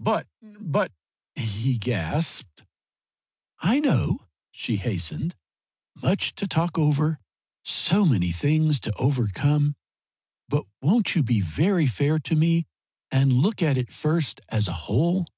"But but " he gasped. "I know," she hastened "much to talk over; so many things to overcome. But won't you be very fair to me and look at it first as a whole?